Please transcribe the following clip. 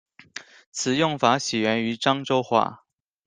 此用法起源于漳州话。